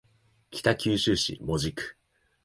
北九州市門司区